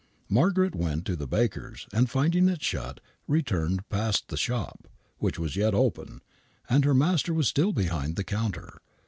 Margaret went to the Baker's, and, finding it shut,, leturned past the shop, which was yet open, and her master was still behind the counter.